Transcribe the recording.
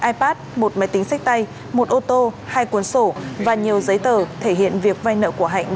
một ipad một máy tính xách tay một ô tô hai cuốn sổ và nhiều giấy tờ thể hiện việc vai nợ của hạnh